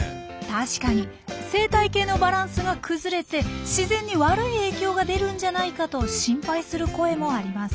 確かに生態系のバランスが崩れて自然に悪い影響が出るんじゃないかと心配する声もあります。